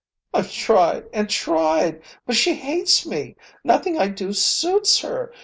"I've tried and tried. But she hates me. Nothing I do suits her.